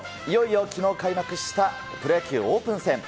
いよいよきのう開幕したプロ野球オープン戦。